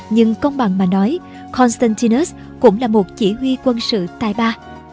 nhưng công bằng mà nói constantinus cũng là một chỉ huy quân sự tài ba